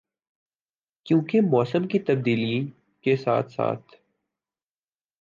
کیونکہ موسموں کی تبدیلی کے ساتھ ساتھ